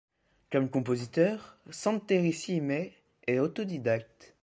Comme compositeur, Santeri Siimes est autodidacte.